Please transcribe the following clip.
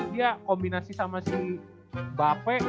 dia kombinasi sama si bape